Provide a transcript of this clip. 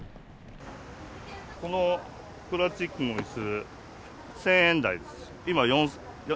このプラスチックのいす、１０００円台です。